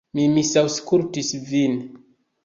Mi misaŭskultis vin.